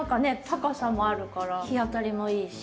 高さもあるから日当たりもいいし。